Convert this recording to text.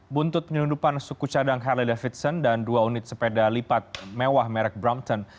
buntut penyelundupan suku cadang harley davidson dan dua unit sepeda lipat mewah merek brampton